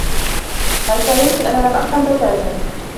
هل فهمت؟ "أنا لم أفهم بتاتا."